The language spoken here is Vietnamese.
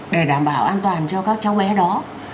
để đảm bảo an toàn cho các cháu bé đó